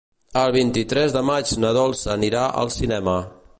El vint-i-tres de maig na Dolça anirà al cinema.